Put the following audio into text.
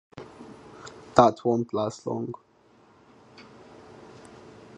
That won't last long.